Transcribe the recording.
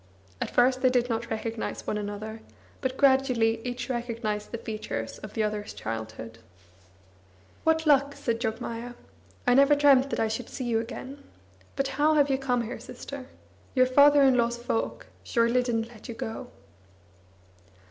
At first they did not recognise one another, but gradually each recognised the features of the other's childhood. "What luck!" said Jogmaya. "I never dreamt that I should see you again. But how hate you come here, sister? Your father in law's folk surely didn't let you go!"